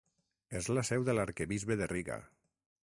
És la seu de l'arquebisbe de Riga.